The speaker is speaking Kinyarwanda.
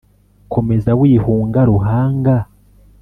komeza wihunga ruhanga